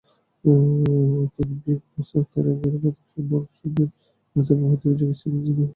তিনি "big boss তেলুগু"-এর প্রথম মরসুমের অন্যতম প্রতিযোগী ছিলেন, যেটি উপস্থাপনা করেছিলেন N T Rama Rao junior.